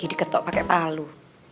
jadi ketok pake palu